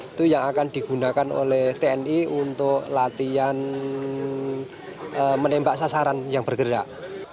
itu yang akan digunakan oleh tni untuk latihan menembak sasaran yang bergerak